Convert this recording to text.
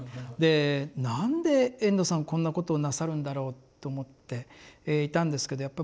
で何で遠藤さんはこんなことをなさるんだろうと思っていたんですけど